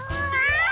あ！